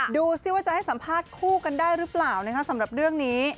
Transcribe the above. ดูสิว่าจะให้สัมภาษณ์คู่กันได้หรือเปล่านะคะสำหรับเรื่องนี้